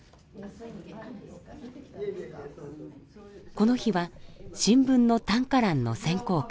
この日は新聞の短歌欄の選考会。